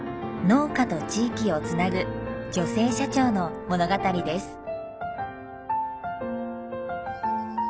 農家と地域を繋ぐ女性社長の物語です。